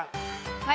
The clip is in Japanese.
はい。